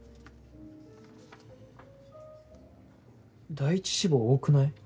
第１志望多くない？